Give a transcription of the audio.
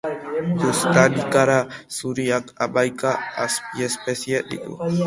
Buztanikara zuriak hamaika azpiespezie ditu.